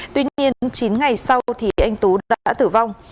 tuy nhiên chín ngày sau thì anh tú đã tử vong